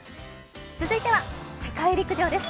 続いては世界陸上です。